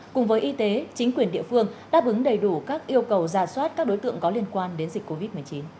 cùng với y tế chính quyền địa phương đáp ứng đầy đủ các yêu cầu ra soát các đối tượng có liên quan đến dịch covid một mươi chín